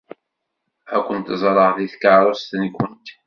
Ad kent-ẓṛeɣ deg tkeṛṛust-nkent.